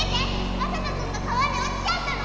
将人くんが川に落ちちゃったの！